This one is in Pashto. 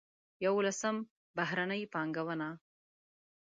یولسم: بهرنۍ پانګونه.